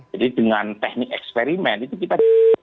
jadi dengan teknik eksperimen itu kita